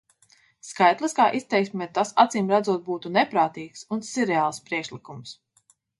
Skaitliskā izteiksmē tas acīmredzot būtu neprātīgs un sirreāls priekšlikums.